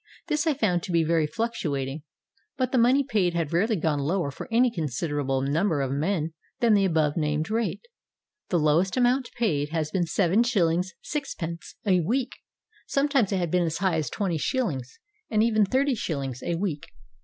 This I found to be very fluctuating, but the money paid had rarely gone lower for any considerable number of men than the above named rate. The lowest amount paid has been 75. 6d. a week. Sometimes it had been as high as 20s. and even 305. a week.